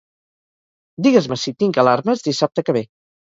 Digues-me si tinc alarmes dissabte que ve.